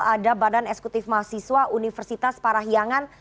ada badan esekutif mahasiswa universitas parahyangan